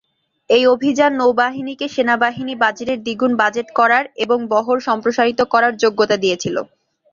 এই অভিযান নৌবাহিনীকে সেনাবাহিনী বাজেটের দ্বিগুণ বাজেট করার এবং বহর সম্প্রসারিত করার যোগ্যতা দিয়েছিল।